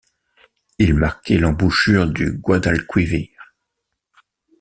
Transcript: Il marquait l'embouchure du Guadalquivir.